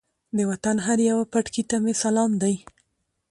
د وطن هر یوه پټکي ته مې سلام دی.